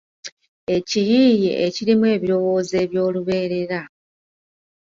Ekiyiiye ekirimu ebirowoozo eby’olubeerera